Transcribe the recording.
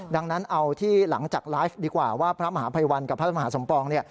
ดังนั้นเอาที่หลังจากไลฟ์ดีกว่าว่าพระมหาภัยวันกับพระมหาสมปอง